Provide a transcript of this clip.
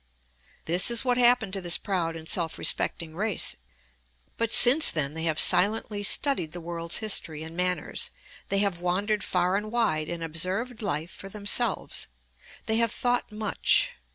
This is what happened to this proud and self respecting race! But since then they have silently studied the world's history and manners; they have wandered far and wide and observed life for themselves. They have thought much.